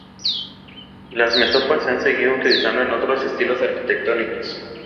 Las metopas se han seguido utilizando en otros estilos arquitectónicos.